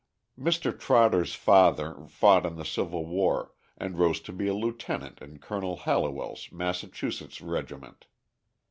Mr. Trotter's father fought in the Civil War and rose to be a lieutenant in Colonel Hallowell's Massachusetts regiment.